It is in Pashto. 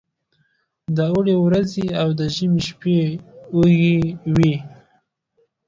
د اوړي ورځې او د ژمي شپې اوږې وي.